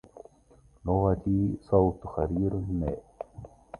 لغتي صوت خرير الماء